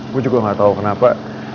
gue juga gak tahu kenapa